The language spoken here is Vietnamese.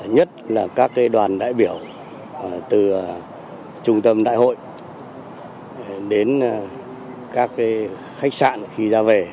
nhất là các đoàn đại biểu từ trung tâm đại hội đến các khách sạn khi ra về